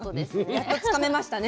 やっとつかめましたね。